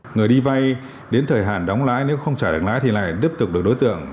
người đi vay đến thời hạn đóng lãi nếu không trả được lãi thì lại tiếp tục được đối tượng